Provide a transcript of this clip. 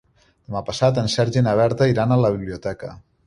Demà passat en Sergi i na Berta iran a la biblioteca.